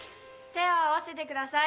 手を合わせてください。